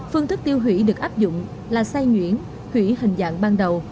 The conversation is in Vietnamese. phương thức tiêu hủy được áp dụng là say nhuyễn hủy hình dạng ban đầu